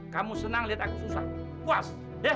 kamu senang lihat aku susah puas